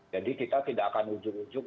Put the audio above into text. jadi kita tidak akan ujung ujung